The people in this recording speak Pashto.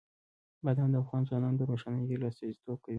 بادام د افغان ځوانانو د روښانه هیلو استازیتوب کوي.